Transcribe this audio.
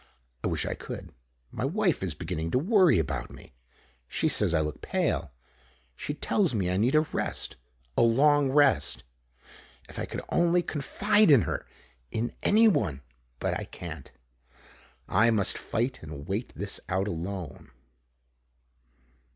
I wish I could. My wife is beginning to worry about me. She says I look pale. She tells me I need a rest a long rest. If I could only confide in her! In anyone! But I can't. I must fight and wait this out alone.